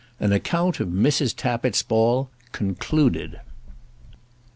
AN ACCOUNT OF MRS. TAPPITT'S BALL CONCLUDED.